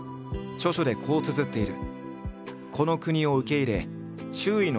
著書でこうつづっている。